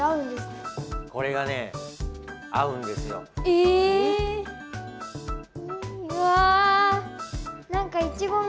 え⁉うわ！